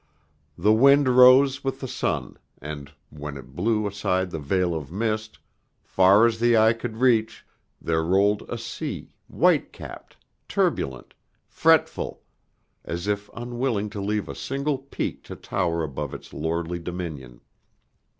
The wind rose with the sun, and when it blew aside the veil of mist, far as the eye could reach, there rolled a sea, white capped, turbulent, fretful, as if unwilling to leave a single peak to tower above its lordly dominion.